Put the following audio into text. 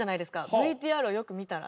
ＶＴＲをよく見たら。